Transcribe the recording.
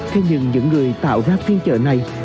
thế nhưng những người tạo ra phiên chợ này